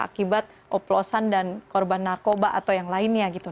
akibat oplosan dan korban narkoba atau yang lainnya gitu